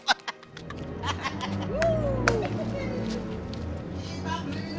kita beli beli lagi